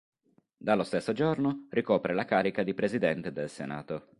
Dallo stesso giorno ricopre la carica di presidente del Senato.